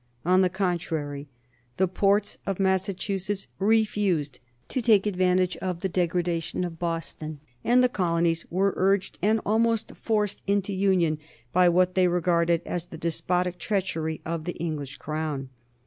On the contrary, the ports of Massachusetts refused to take advantage of the degradation of Boston, and the colonies were urged, and almost forced, into union by what they regarded as the despotic treachery of the English Crown.